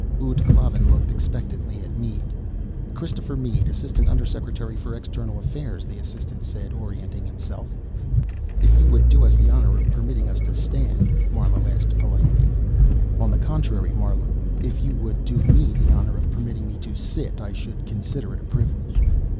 Ud Klavan looked expectantly at Mead. "Christopher Mead, Assistant Undersecretary for External Affairs," the assistant said, orientating himself. "If you would do us the honor of permitting us to stand " Marlowe asked politely. "On the contrary, Marlowe. If you would do me the honor of permitting me to sit, I should consider it a privilege."